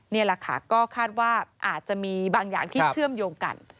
นี่แหละค่ะก็คาดว่าอาจจะมีบางอย่างที่เชื่อมโยงกัน